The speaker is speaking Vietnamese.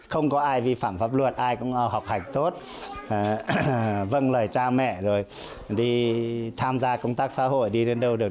không có ai vi phạm pháp luật ai cũng học hành tốt vâng lời cha mẹ rồi đi tham gia công tác xã hội đi đến đâu được